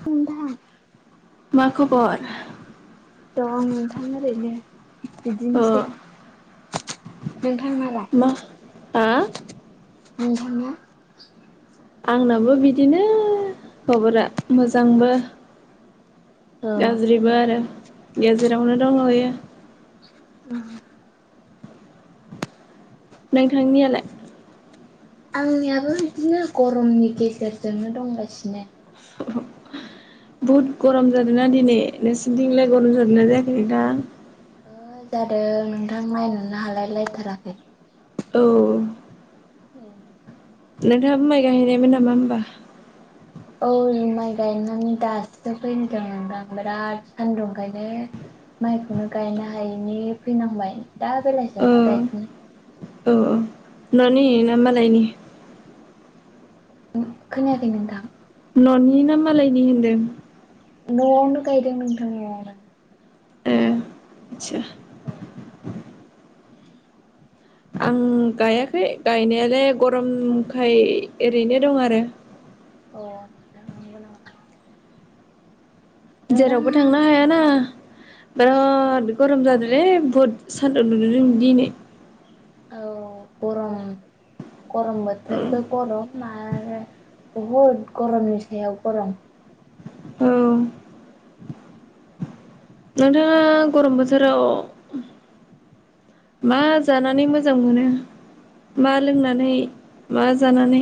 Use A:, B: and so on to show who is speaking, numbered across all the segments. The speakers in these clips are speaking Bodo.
A: [unintelligible]
B: मा खबर
A: दंं नोंथां ओरैनो
B: अ
A: बिदिनोसै नोंथांनालाय
B: मा हो
A: नोंथाङा
B: आंनाबो बिदिनो खबरा मोजांबो
A: औ
B: गाज्रिबो आरो गेजेरावनो दंलाबायो
A: उ [unintelligible]
B: नोंथांनियालाय
A: आंनियाबो बिदिनो गरमनि गेजेरजोंनो दंगासिनो
B: बुहुद गरम जादों ना दिनै नोंसिनिथिंलाय गरम जादोंना जायाखै नोंथां
A: जादों नोंथां नायनोनो हालाय लायथाराखै
B: औ
A: औ
B: नोंथाङाबो माइ गायाहैनायमोन नामा होनबा
A: औ माइ गायनानै दासो फैदों नोंथां बिराद सान्दुंखायनो माइखौनो गायनो हायैनि फैनांबाय दा
B: ओ
A: बेलासियावसो गायफिननो
B: औ औ न'नि ना मालायनि
A: खोनायाखै नोंथां
B: ननि ना मालायनि होनदों
A: न'वावनो गायदों नोंथां नवावनो
B: ए आतसा
A: औ
B: आं गायाखै गायनायालाय गरमखाय ओरैनो दं आरो
A: अ नंगौ नंगौ नामा?
B: जेरावबो थांला
A: नोंथां
B: हायाना बिराद गरमजादोलै बुहुद सान्दुं दुंदों दिनै।
A: औ गरम गरम बोथोरबो गरम [unintelligible] बुहुद गरमनि सायाव गरम
B: औ नोंथाङा गरम बोथोराव मा जानानै मोजां मोनो मा लोंनानै मा जानानै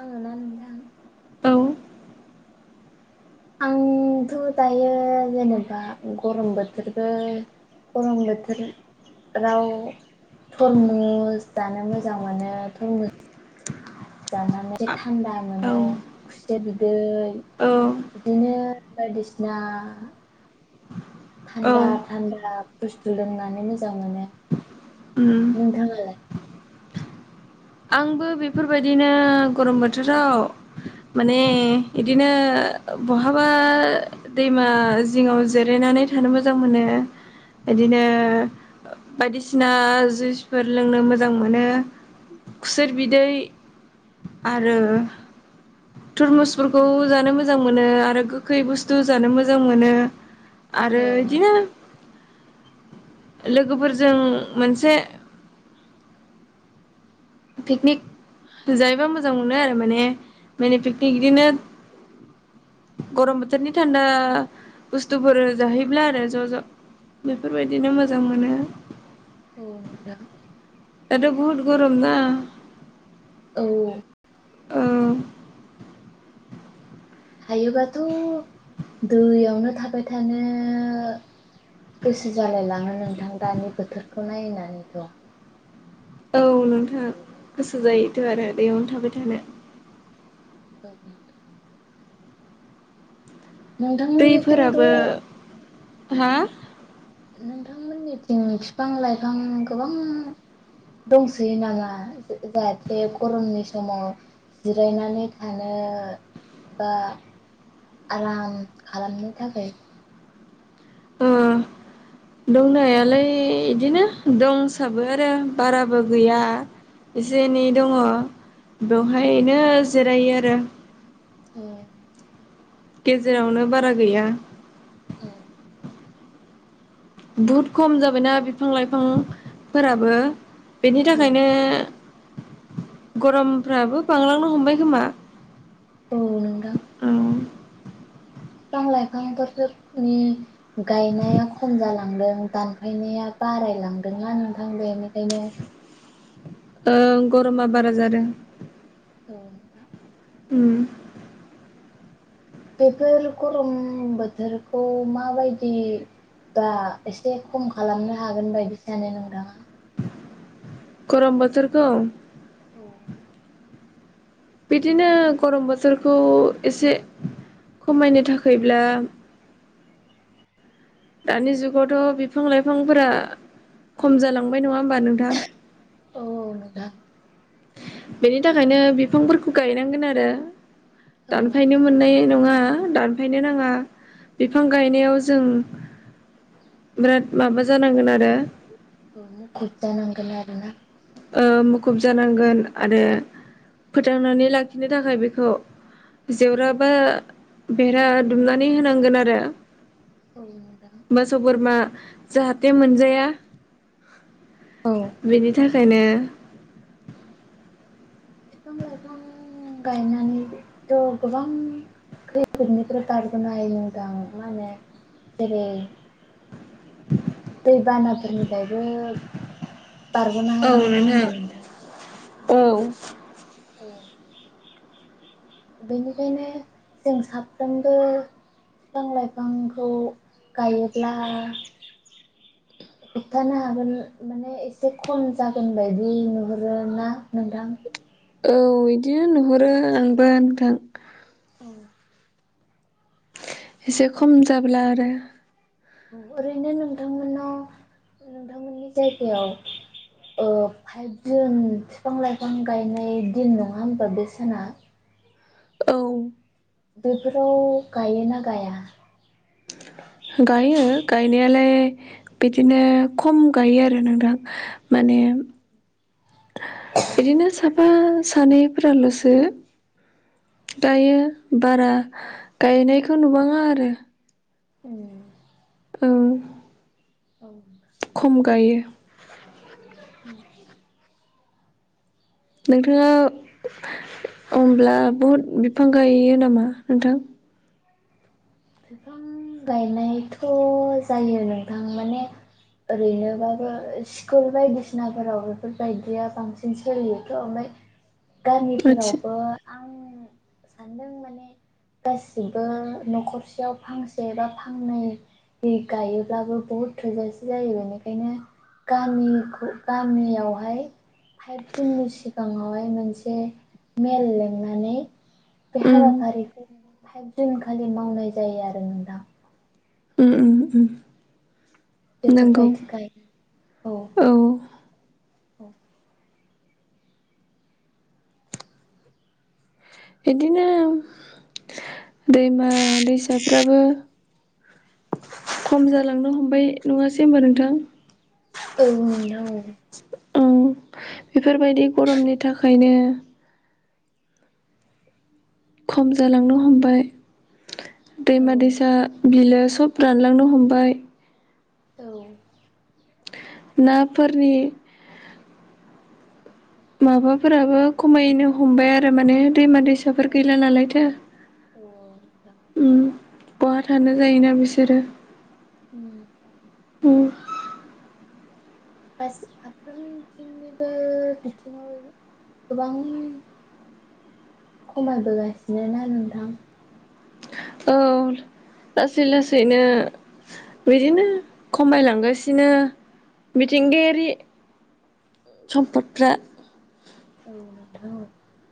A: आङोना नोंथां
B: औ
A: आंथ' दायो जेनेबा गरम बोथोरबो गरम बोथोर राव थरमुस जानो मोजां मोनो थरमु स जानानै एसे थान्दा
B: औ
A: मोनो खुसेर बिदै
B: औ
A: इदिनो बायदिसिना
B: औ
A: थान्दा थान्दा बुस्थु लोंनानै मोजां मोनो
B: उम
A: नोंथाङालाय?
B: आंबो बेफोरबायदिनो गरम बोथोराव माने इदिनो बहाबा दैमा जिङाव जिरायनानै थानो मोजां मोनो इदिनो बायदिसिना जुइसफोर लोंनो मोजां मोनो खुसेर बिदै आरो
A: [inaudible]
B: थुरमुसफोरखौ जानो मोजां मोनो आरो गोखै बुस्थु जानो मोजां मोनो। आरो
A: औ
B: इदिनो लोगोफोरजों मोनसे पिकनिक जायोबा मोजां मोनो आरो माने मिनि पिकनिक इदिनो गरम बोथोरनि थान्दा बुस्थुफोर जाहैब्ला आरो ज' ज' बेफोरबायदिनो मोजां मोनो
A: औ नोंथां
B: दाथ' बहुत गरम ना
A: औ
B: औ
A: हायोबाथ' दैयावनो थाबाय थानो गोसो जालाय लाङो नोंथां दानि बोथोरखौ नायनानैथ'
B: औ नोंथां गोसो जायोथ' आरो दैयावनो थाबाय थानो
A: ओं नोंथांमोननिथिंथ'
B: दैफोराबो हा
A: नोंथांमोननि दिन फिफां लाइफां गोबां दंसोयो नामा जाहाथे गरमनि समाव जिरायनानै थानो बा आराम खालामनो थाखाय
B: ओ
A: [inaudible]
B: दंनायालाय इदिनो दंसाबो आरो बाराबो गैया एसे एनै दङ बेवहायनो जिरायो आरो
A: अ
B: गेजेरावनो बारा गैया
A: औ
B: बुहुत खम जाबायना बिफां लाइफांफोराबो बेनि
A: औ
B: थाखायनो गरमफ्राबो बांलांनो हमबाय खोमा
A: औ नोंथां
B: औ
A: बिफां लाइफां बोथोरनि गायनाया खम जालांदों दानफायनाया बारायलांदोंना नोंथां बेनिखायनो
B: ओं गरमा बारा जादों
A: औ नोंथां
B: उम
A: बेफोर गरम बोथोरखौ माबायदि बा एसे खम खालामनो हागोन बायदि सानो नोंथाङा
B: गरम बोथोरखौ
A: औ
B: बिदिनो गरम बोथोरखौ एसे खमायनो थाखायब्ला दानि जुगावथ' बिफां लाइफांफोरा खम जालांबाय नङा होमबा नोंथां
A: औ औ नोंथां
B: बेनि थाखायनो बिफांफोरखौ गायनांगोन आरो
A: औ
B: दानफायनो मोननाय नङा दान फायनो नाङा बिफां गायनायाव जों बिराद माबा जानांगोन आरो
A: ओ मुखुब जानांगोन आरो ना
B: मुखुब जानांगोन आरो फोथांनानै लाखिनो थाखाय बेखौ जेवराबा बेरा दुमनानै होनांगोन आरो
A: औ नोंथां
B: मोसौ बोरमा जाहाथे मोनजाया
A: औ
B: बेनि थाखायनो
A: बिफां लाइफां गायनानैथ' गोबां खैफोदनिफ्राय बारग'नो हायो नोंथां मा होनो जेरै दैबानाफोरनिफ्रायबो बारग'नो हायो नङा होनबा नोंथां
B: औ
A: औ बेनिखायनो जों साफ्रोमबो बिफां लाइफांखौ गायोब्ला होबथानो हागोन माने एसे खम जागोन बायदि नुहरोना नोंथां
B: औ बिदि नुहरो आंबो नोंथां
A: औ
B: एसे खम जाब्ला आरो
A: ओरैनो नोंथांमोनाव नोंथांमोननि जायगायाव औ फाइभ जुन बिफां लाइफां गायनाय दिन नङा होमबा बे साना
B: औ
A: बेफोराव गायोना गाया
B: गायो गायनायालाय बिदिनो खम गायो आरो नोंदां माने बिदिनो साफा सानैफोराल'सो गायो बारा गायनायखौ नुबाङा आरो
A: ए
B: औ
A: औ
B: खम गायो नोंथाङा होमब्ला बहुद बिफां गायो नामा नोंथां
A: बिफां गायनायथ' जायो नोंथां माने ओरैनोबाबो स्कुल बायदिसिनाफोराव बेफोरबायदिया बांसिन सोलियोथ' ओमफ्राय
B: आदसा
A: गामिफोरावबो आं सानदों माने गासिबो न'खरसेयाव फांसे एबा फांनैयै गायोब्लाबो बहुद थोजासे जायो बेनिखायनो गामिखौ गामियावहाय फाइभ जुननि सिगाङावहाय मोनसे मेल लिंनानै बे
B: उम
A: हाबाफारिखौ फाइभ जुन खालि मावनाय जायो आरो
B: उ उ उम नंगौ
A: बेफोरबायदिखाय औ औ
B: बिदिनो दैमा दैसाफ्राबो खम जालांनो हमबाय नङासै होमबा नोंथां
A: औ औ नोंथां औ
B: बेफोरबायदि गरमनि थाखायनो खम जालांनो हमबाय
A: औ
B: दैमा दैसा बिलो सब रानलांनो हमबाय
A: औ
B: नाफोरनि माबाफोराबो खमायनो हमबाय आरो माने दैमा दैसाफोर
A: औ
B: गैला नालायथो
A: औ नोंथां औ
B: बहा थानो जायोना बिसोरो
A: उम
B: उ
A: गासै फाफ्रोमथिंनिबो बिथिङाव गोबां खमायबोगासिनो ना नोंथां
B: औ लासै लासैनो बिदिनो खमायलांगासिनो मिथिंगायारि सम्पदफ्रा
A: औ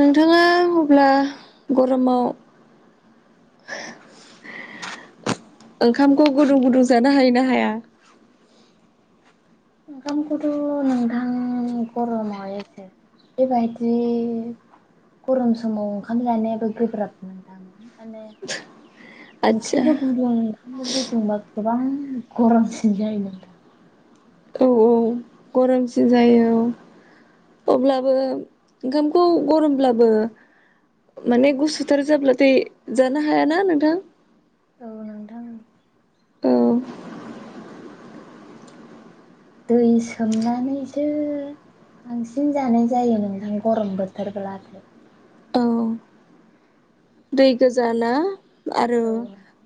B: नोंथाङा अब्ला गरमाव
A: [inaudible]
B: ओंखामखौ गुदुं गुदुं जानो हायो ना हाया
A: ओंखाम खौथ' नोंथां गरमाव बेबायदि गरम समाव ओंखाम जानायाबो गोब्राब नोंथां आरो
B: आदसा
A: ओंख्रिबो गुदुं ओंखाम गुदुंबा गोबां गरमसिन जायोमोन
B: औ औ गरमसिन जायो औ अब्लाबो ओंखामखौ गरमब्लाबो माने गुसुथार जाब्लाथाय जानो हायाना नोंथां
A: औ नोंथां
B: औ
A: दै सोमनानैसो बांसिन जानाय जायो नोंथां गरम बोथोरब्ला
B: औ दै गोजाना आरो
A: औ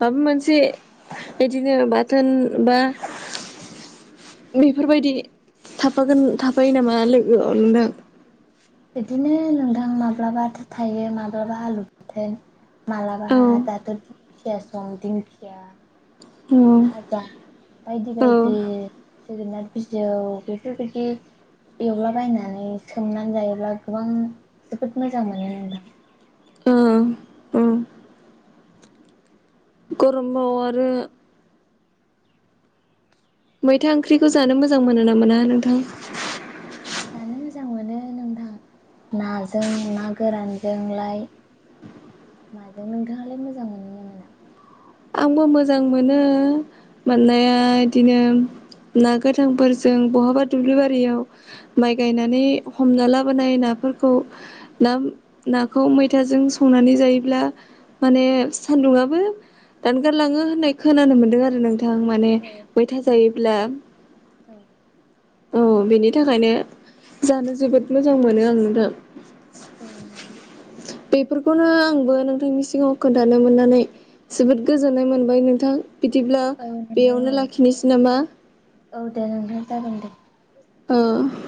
B: माबा मोनसे बिदिनो बाथोन बा बेफोरबायदि थाफागोन थाफायो नामा लोगोआव नोंथां
A: बिदिनो नोंथां माब्लाबाथ' थायो माब्लाबा आलु बाथोन माब्लाबा
B: औ
A: दाथ' दिंखिया सम दिंखिया
B: उम
A: भाजा बायदि बायदि जोगोनाट बिजौ बेफोरबायदि एवलाबायनानै सोमनानै जायोब्ला गोबां जोबोद मोजां मोनो नोंथां
B: औ औ गरमबाव आरो मैथा ओंख्रिखौ जानो मोजां मोनो ना मोना नोंथां
A: जानो मोजां मोनो नोंथां नाजों ना गोरानजोंलाय माजों नोंथाङालाय मोजां मोनो ना मोना
B: आंबो मोजां मोनो मोननाया बिदिनो ना गोथांफोरजों बहाबा दुब्लि बारियाव माइ गायनानै हमना लाबोनाय नाफोरखौ ना नाखौ मैथाजों संनानै जायोब्ला माने सान्दुंआबो दानगारलाङो होननाय खोनानो मोनदों आरो नोंथां माने
A: औ
B: मैथा
A: औ
B: जायोब्ला
A: औ
B: औ बेनि थाखायनो जानो जोबोद मोजां मोनो आं नोंथां
A: नोंथां
B: बेफोरखौनो आंबो नोंथांनि सिगाङाव खोन्थानो मोननानै जोबोद गोजोननाय मोनबाय नोंथां बिदिब्ला
A: औ नोंथां
B: बेयावनो
A: औ
B: लाखिनोसै नामा
A: औ दे नोंथां जागोन दे
B: ओ